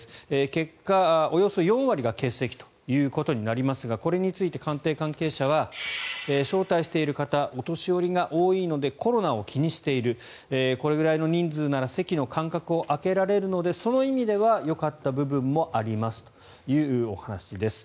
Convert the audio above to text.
結果、およそ４割が欠席ということになりますがこれについて官邸関係者は招待している方はお年寄りが多いのでコロナを気にしているこれぐらいの人数なら席の間隔を空けられるのでその意味ではよかった部分もありますというお話です。